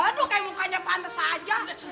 aduh kayaknya mukanya pantas saja